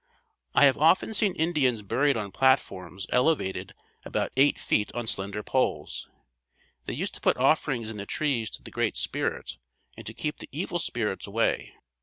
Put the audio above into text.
I have often seen Indians buried on platforms elevated about eight feet on slender poles. They used to put offerings in the trees to the Great Spirit and to keep the evil spirits away.